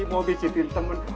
mau besetin temen